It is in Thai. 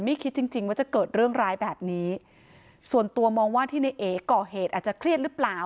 คิดจริงจริงว่าจะเกิดเรื่องร้ายแบบนี้ส่วนตัวมองว่าที่ในเอก่อเหตุอาจจะเครียดหรือเปล่า